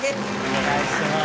お願いします。